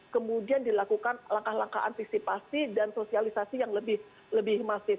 kemudian dilakukan langkah langkah antisipasi dan sosialisasi yang lebih masif